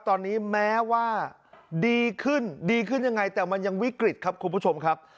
ตอนนี้แม้ว่าดีขึ้นดีขึ้นยังไงแต่มันยังวิกฤตครับคุณผู้ชมครับ